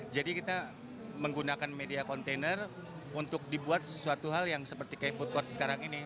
jadi kita menggunakan media kontainer untuk dibuat sesuatu hal yang seperti food court sekarang ini